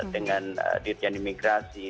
dengan dirjanjian imigrasi